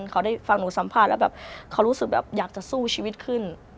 เขาได้ฟังหนูสัมภาษณ์แล้วแบบเขารู้สึกแบบอยากจะสู้ชีวิตขึ้น